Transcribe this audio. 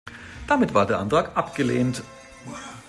Damit war der Antrag abgelehnt.